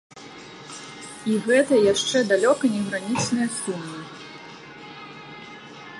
І гэта яшчэ далёка не гранічныя сумы.